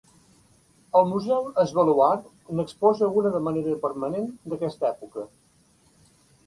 El museu Es Baluard n'exposa una de manera permanent d'aquesta època.